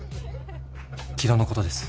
城戸のことです